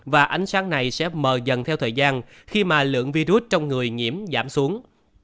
và ánh sáng này sẽ mờ dần theo thời gian khi mà lượng virus trong người nhiễm giảm xuống